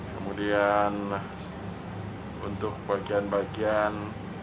kemudian untuk bagian bagian